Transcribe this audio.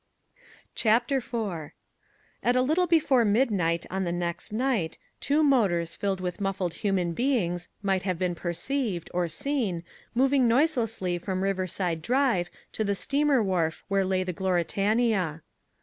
CHAPTER IV At a little before midnight on the next night, two motors filled with muffled human beings might have been perceived, or seen, moving noiselessly from Riverside Drive to the steamer wharf where lay the Gloritania.